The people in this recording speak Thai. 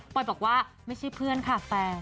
อยบอกว่าไม่ใช่เพื่อนค่ะแฟน